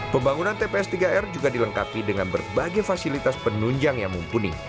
pembangunan tps tiga r juga dilengkapi dengan berbagai fasilitas penunjang yang mumpuni